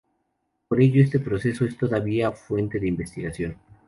Por ello, este proceso es todavía fuente de investigación.